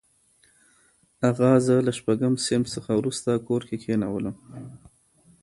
اغا زه له شپږم صنف څخه وروسته کور کې کښېنولم.